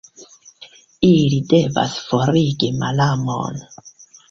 Ili devas forigi malamon.